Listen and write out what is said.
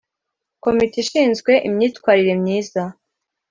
Komite ishinzwe imyitwarire myiza